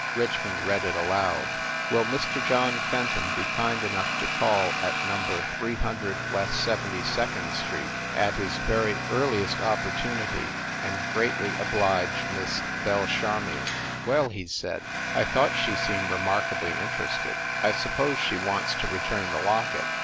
Richmond read it aloud: " Will Mr. John Fenton be kind enough to call at No. 300 West Seventy second Street at his very earliest opportunity, and greatly oblige Miss Belle Charmion ? "Well," he said, "I thought she seemed remark ably interested. I suppose she wants to return the locket."